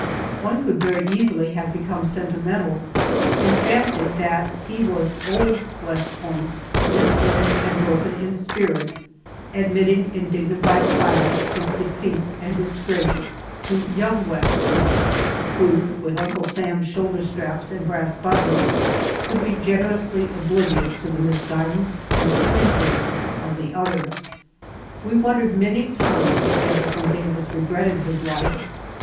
One could very easily have become sentimental, and fancied that he was Old West Point, misled and broken in spirit, admitting in dignified silence his defeat and disgrace to Young West Point, who, with Uncle Sam's shoulder straps and brass buttons, could be generously oblivious to the misguidance and treason of the other. We wondered many times if Jefferson Davis regretted his life.